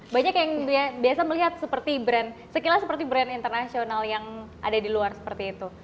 banyak yang biasa melihat seperti brand sekilas seperti brand internasional yang ada di luar seperti itu